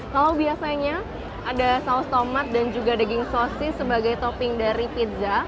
kalau biasanya ada saus tomat dan juga daging sosis sebagai topping dari pizza